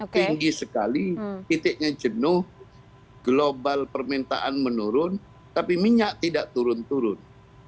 tinggi sekali titiknya jenuh global permintaan menurun tapi minyak tidak turun turun